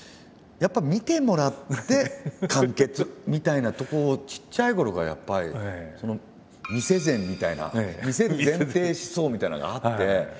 やっぱり見てもらって完結みたいなとこをちっちゃいころからやっぱり「見せ前」みたいな見せる前提思想みたいなのがあって。